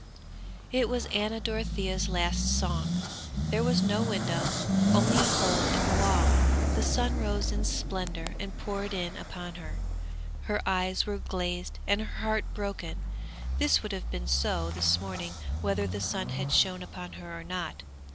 It was Anna Dorothea's last song. There was no window; only a hole in the wall. The sun rose in splendour and poured in upon her; her eyes were glazed and her heart broken! This would have been so this morning whether the sun had shone upon her or not.